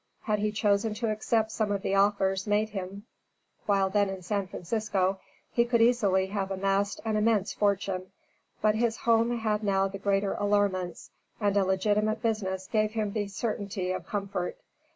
Had he chosen to accept some of the offers made him while then in San Francisco, he could easily have amassed an immense fortune. But his home had now the greater allurements, and a legitimate business gave him the certainty of comfort.